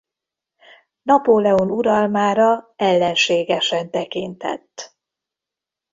Napóleon uralmára ellenségesen tekintett.